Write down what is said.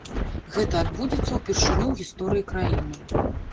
Гэта адбудзецца ўпершыню ў гісторыі краіны.